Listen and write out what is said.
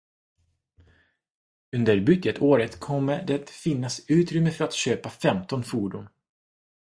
Under budgetåret kommer det finnas utrymme för att köpa femton fordon.